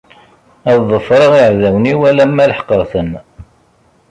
Ad ḍefreɣ iɛdawen-iw alamma leḥqeɣ-ten.